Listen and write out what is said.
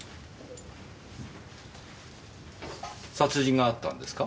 殺人があったんですか？